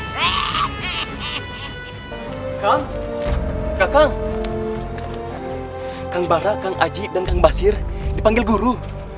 kamp bata kamp aji dan kamp basir dipanggil guru